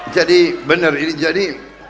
jadi bener ini jadi